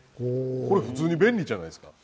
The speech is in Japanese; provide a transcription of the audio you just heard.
これ普通に便利じゃないですか。